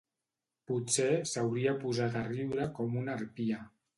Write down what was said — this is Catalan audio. Potser s'hauria posat a riure com una harpia.